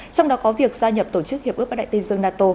trong đó có việc gia nhập tổ chức hiệp ước bắc đại tây dương nato